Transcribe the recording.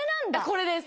これです。